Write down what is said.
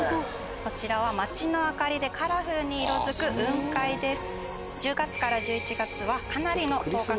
こちらは町の明かりでカラフルに色づく雲海です。